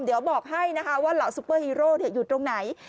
เดี๋ยวบอกให้นะคะว่าเหล่าซุปเปอร์ฮีโร่อยู่ตรงไหน